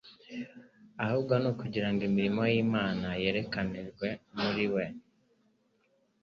ahubwo ni ukugira ngo imirimo y'Imana yerekanirwe muri we.